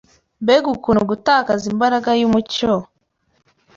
Mbega ukuntu gutakaza imbaraga y’umucyo